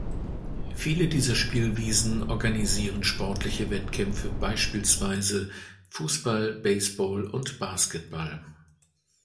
Viele dieser Spielwiesen organisieren sportliche Wettkämpfe beispielsweise Fußball, Baseball und Basketball.